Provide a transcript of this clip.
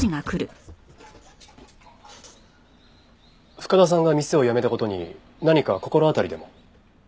深田さんが店を辞めた事に何か心当たりでも？